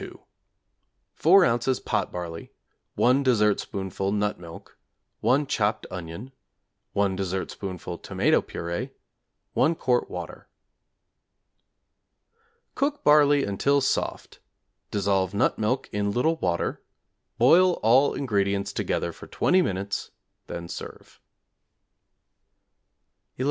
2= 4 ozs. pot barley, 1 dessertspoonful nut milk, 1 chopped onion, 1 dessertspoonful tomato purée, 1 quart water. Cook barley until soft; dissolve nut milk in little water; boil all ingredients together for 20 minutes, then serve. =11.